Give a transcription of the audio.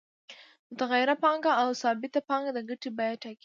متغیره پانګه او ثابته پانګه د ګټې بیه ټاکي